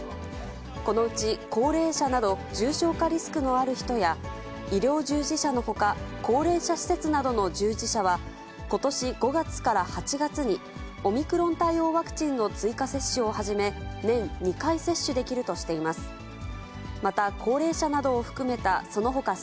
このうち、高齢者など、重症化リスクのある人や、医療従事者のほか、高齢者施設などの従事者は、ことし５月から８月に、オミクロン対応ワクチンの追加接種をはじめ、年２回接種できるとしています。